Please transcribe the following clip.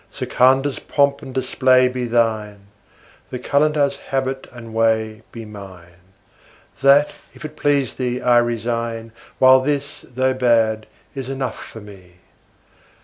Sikandar's3 pomp and display be thine, the Qalandar's4 habit and way be mine; That, if it please thee, I resign, while this, though bad, is enough for me.